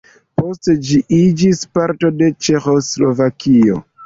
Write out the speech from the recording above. Poste ĝi iĝis parto de Ĉeĥoslovakio.